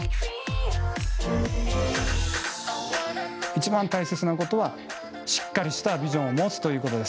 一番大切なことはしっかりしたビジョンを持つということです。